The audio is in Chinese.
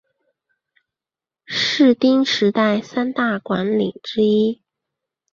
室町时代三大管领之一。